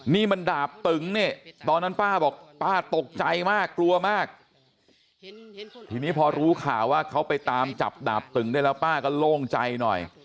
นี่มันดาบตึงเนี่ยตอนนั้นป้าบอกป้าตกใจมากกลัวมากทีนี้พอรู้ข่าวว่าเขาไปตามจับดาบตึงได้แล้วป้าก็โล่งใจหน่อย